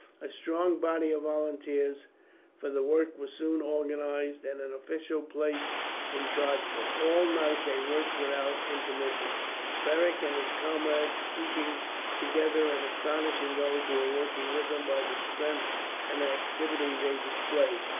A strong body of volunteers for the work was soon organized, and an official placed in charge of it. All night they worked without intermission, Beric and his comrades keeping together and astonishing those who were working with them by the strength and activity they displayed.